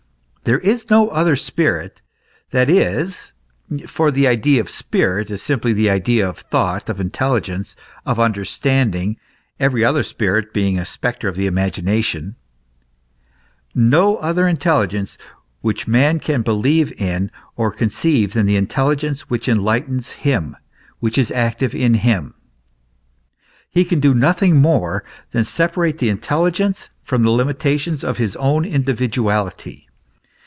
There is no other spirit, that is, (for the idea of spirit is simply the idea of thought, of intelligence, of understanding, every other spirit being a spectre of the imagi nation,) no other intelligence which man can believe in or con ceive, than that intelligence which enlightens him, which is active in him. He can do nothing more than separate the in telligence from the limitations of his own individuality.